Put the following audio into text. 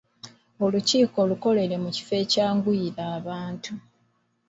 Olukiiko lukolere mu kifo ekyanguyira abantu.